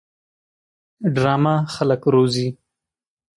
ډرامه خلک روزي